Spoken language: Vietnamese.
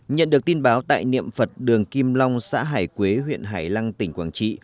nhận được tin báo tại niệm phật đường kim long xã hải quế huyện hải lăng tỉnh quảng trị